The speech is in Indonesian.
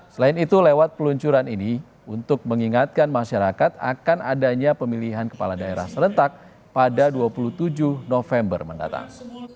selain itu lewat peluncuran ini untuk mengingatkan masyarakat akan adanya pemilihan kepala daerah serentak pada dua puluh tujuh november mendatang